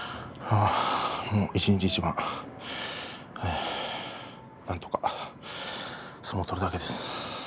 一日一番なんとか相撲を取りたいです。